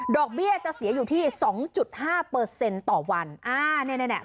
ดอกเบี้ยจะเสียอยู่ที่สองจุดห้าเปอร์เซ็นต์ต่อวันอ่าเนี่ยเนี่ยเนี่ย